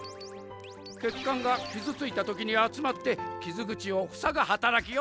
血管が傷ついた時に集まって傷口をふさぐ働きをする。